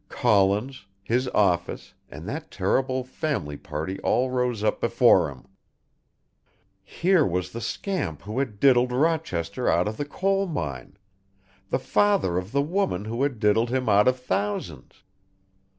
Collins, his office, and that terrible family party all rose up before him. Here was the scamp who had diddled Rochester out of the coal mine, the father of the woman who had diddled him out of thousands.